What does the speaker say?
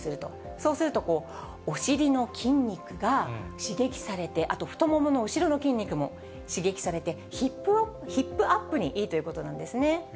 そうすると、お尻の筋肉が刺激されて、あと太ももの後ろの筋肉も刺激されて、ヒップアップにいいということなんですね。